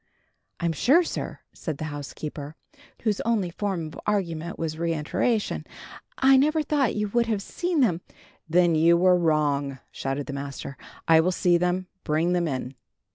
"I'm sure, sir," said the housekeeper, whose only form of argument was reiteration, "I never thought you would have seen them " "Then you were wrong," shouted her master. "I will see them. Bring them in."